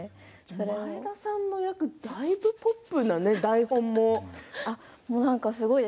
前田さんの役はだいぶポップですよね。